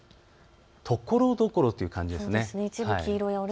ところどころという感じです。